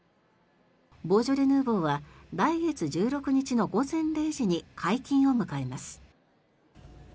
ボージョレ・ヌーボーは来月１６日の午前０時に解禁を迎えます。